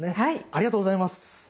ありがとうございます。